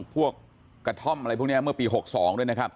พวกกระท่อมพวกนี้พอเมื่อปี๖๒นี้